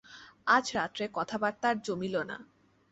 আজ রাত্রে কথাবার্তা আর জমিল না।